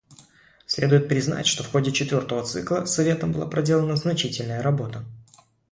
Следует признать, что в ходе четвертого цикла Советом была проделана значительная работа.